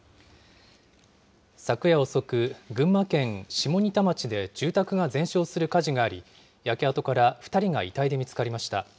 昨夜遅く、群馬県下仁田町で住宅が全焼する火事があり、焼け跡から２人が遺体で見つかりました。